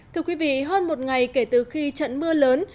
thưa quý vị hơn một ngày kể từ khi trận mưa lớn